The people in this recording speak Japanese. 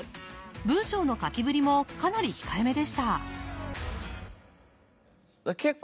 文章の書きぶりもかなり控えめでした。